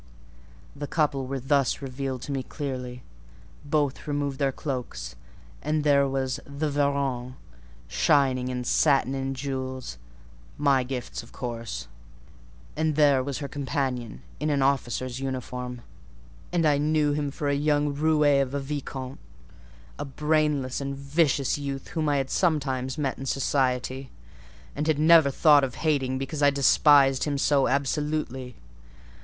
The couple were thus revealed to me clearly: both removed their cloaks, and there was 'the Varens,' shining in satin and jewels,—my gifts of course,—and there was her companion in an officer's uniform; and I knew him for a young roué of a vicomte—a brainless and vicious youth whom I had sometimes met in society, and had never thought of hating because I despised him so absolutely.